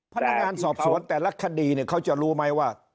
พนักงานสอบสวนแต่ละคดีเขาจะรู้ไหมว่า